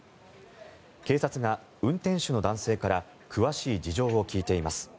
警察が、運転手の男性から詳しい事情を聴いています。